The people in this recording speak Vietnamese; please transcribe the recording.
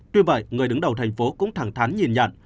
tuy vậy người đứng đầu thành phố cũng thẳng thắn nhìn nhận